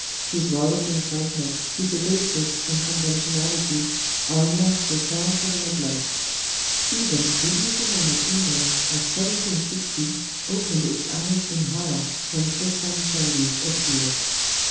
His rollicking frankness, his audacious unconventionality, are enough to account for the neglect. Even the easy mannered England of 1760 o^ned its eyes in horror when "Tristram Shandy" appeared.